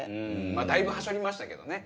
だいぶ端折りましたけどね。